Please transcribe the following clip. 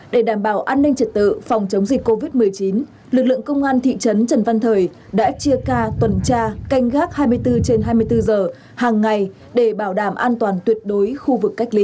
để đảm bảo an ninh trật tự phòng chống dịch covid một mươi chín lực lượng công an thị trấn trần văn thời đã chia ca tuần tra canh gác hai mươi bốn trên hai mươi bốn giờ hàng ngày để bảo đảm an toàn tuyệt đối khu vực cách ly